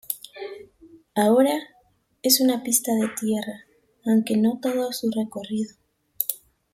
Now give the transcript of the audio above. Ahora es una pista de tierra, aunque no en todo su recorrido.